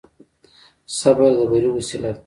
صبر د بري وسيله ده.